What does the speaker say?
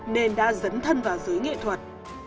nên đã dấn thân vào giới nghệ thuật